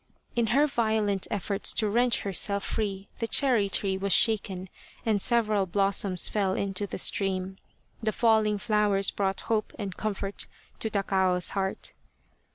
In her violent efforts to wrench herself free the cherry tree was shaken and several blossoms fell into the stream. The falling flowers brought hope and comfort to Takao's heart.